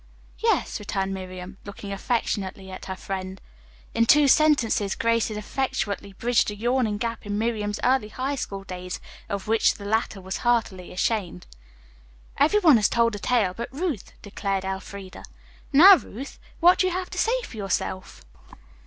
"Yes," returned Miriam, looking affectionately at her friend. In two sentences Grace had effectually bridged a yawning gap in Miriam's early high school days of which the latter was heartily ashamed. "Every one has told a tale but Ruth," declared Elfreda. "Now, Ruth, what have you to say for yourself?"